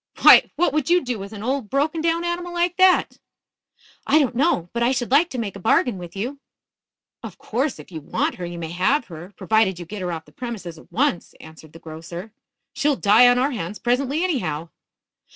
"Why, what could you do with an old, broken down animal like that?" "I don't know. But I should like to make a bargain with you " "Of course if you want her you may have her, provided you get her off the premises at once," answered the grocer. "She'll die on our hands presently, anyhow."